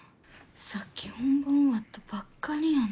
さっき本番終わったばっかりやのに。